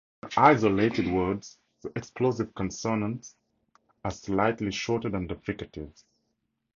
In isolated words the explosive consonants are slightly shorter than the fricatives.